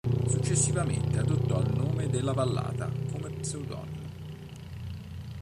Successivamente adottò il nome della vallata come pseudonimo.